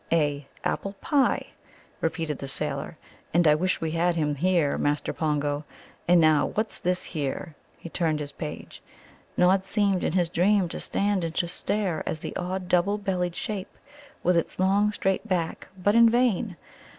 "A Apple pie," repeated the sailor; "and I wish we had him here, Master Pongo. And now, what's this here?" He turned the page. Nod seemed in his dream to stand and to stare at the odd double bellied shape, with its long straight back, but in vain.